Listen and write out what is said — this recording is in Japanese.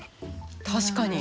確かに。